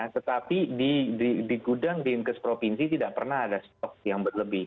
tetapi di gudang di inkes provinsi tidak pernah ada stok yang berlebih